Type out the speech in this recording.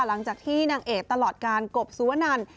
หลังจากที่นางเอกตลอดการกบสุวนัน